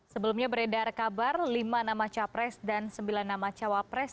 sebelumnya beredar kabar lima nama capres dan sembilan nama cawapres